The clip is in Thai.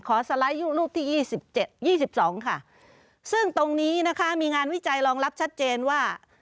สไลด์ยู่รูปที่๒๗๒๒ค่ะซึ่งตรงนี้นะคะมีงานวิจัยรองรับชัดเจนว่า